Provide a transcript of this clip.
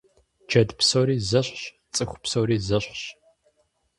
Джэд псори зэщхьщ, цӀыху псори зэщхьщ.